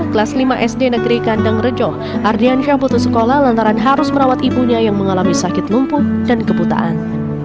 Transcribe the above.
kelas lima sd negeri kandang rejo ardiansyah putus sekolah lantaran harus merawat ibunya yang mengalami sakit lumpuh dan kebutaan